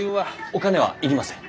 お金は要りません。